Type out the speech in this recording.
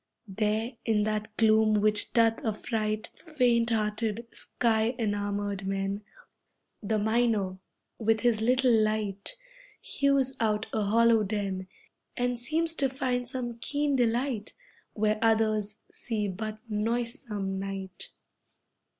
There, in that gloom which doth affright Faint hearted, sky enamoured men, The miner, with his little light, Hews out a hollow den, And seems to find some keen delight Where others see but noisesome night.